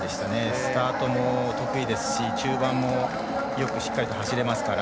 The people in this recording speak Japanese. スタートも得意ですし中盤もよくしっかりと走れますから。